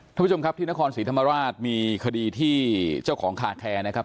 ท่านผู้ชมครับที่นครศรีธรรมราชมีคดีที่เจ้าของคาแคร์นะครับ